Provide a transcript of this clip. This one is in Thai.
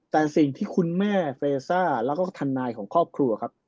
แต่สิ่งที่คุณแม่เฟซ่าแล้วก็ทนายของครอบครัวครับ